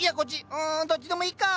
うんどっちでもいいかあ。